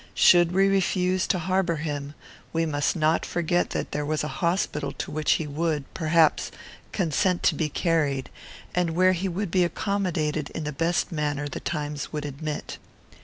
Should we refuse to harbour him, we must not forget that there was a hospital to which he would, perhaps, consent to be carried, and where he would be accommodated in the best manner the times would admit.